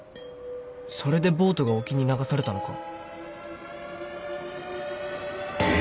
それでボートが沖に流されたのか